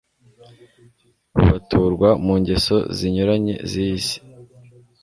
bubaturwa mu ngeso zinyuranye z’iyi si,